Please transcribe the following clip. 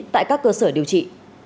tại các cơ sở điều trị